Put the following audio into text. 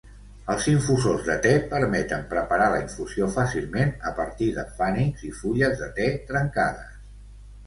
Els infusors de te permeten preparar la infusió fàcilment a partir de fannings i fulles de te trencades